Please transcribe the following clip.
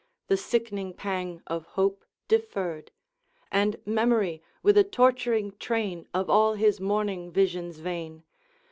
The sickening pang of hope deferred, And memory with a torturing train Of all his morning visions vain.